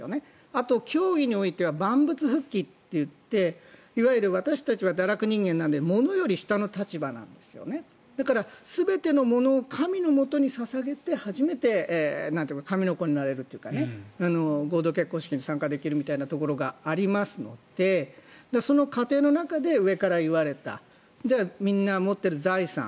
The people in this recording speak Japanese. あと、教義においては万物復帰といっていわゆる私たちは堕落人間なので物より下の立場なんですよねだから、全てのものを神のもとに捧げて初めて神の子になれるというか合同結婚式に参加できるみたいなところがありますのでその過程の中で上から言われたじゃあ、みんな持っている財産